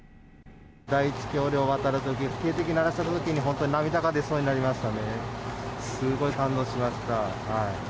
第一橋梁を渡るとき、警笛を鳴らしたときに、本当に涙が出そうになり、すごい感動しま